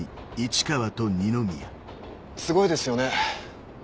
すごいですよね。